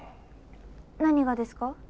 何がですか？